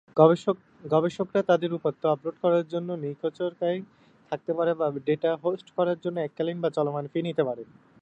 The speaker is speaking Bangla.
গবেষকরা তাদের উপাত্ত আপলোড করার জন্য নিখরচায় থাকতে পারে বা ডেটা হোস্ট করার জন্য এককালীন বা চলমান ফি নিতে পারে।